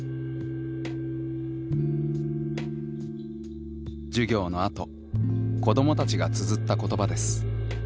授業のあと子どもたちがつづった言葉です。